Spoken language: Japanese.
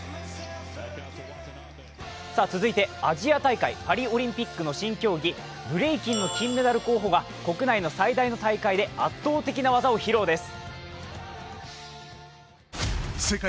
続いて、アジア大会、パリオリンピックの新競技、ブレーキンの金メダル候補が、国内の最高峰の大会で圧倒的な技を披露です。